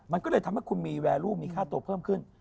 มันก็เลยทำให้คุณมีแวร์รูปมีค่าตัวเพิ่มขึ้น